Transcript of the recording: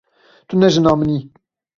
Tu ne jina min î.